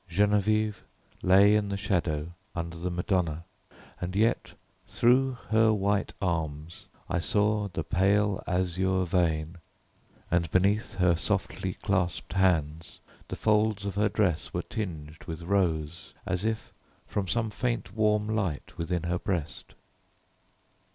Geneviève lay in the shadow under the Madonna, and yet, through her white arms, I saw the pale azure vein, and beneath her softly clasped hands the folds of her dress were tinged with rose, as if from some faint warm light within her breast.